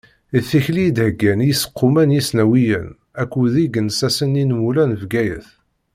D tikli i d-heggan yiseqquma n yisnawiyen akked yigensasen inmula n Bgayet.